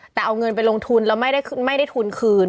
แต่เอาเงินไปลงทุนแล้วไม่ได้ทุนคืน